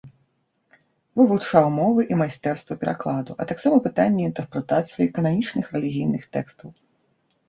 Вывучаў мовы і майстэрства перакладу, а таксама пытанні інтэрпрэтацыі кананічных рэлігійных тэкстаў.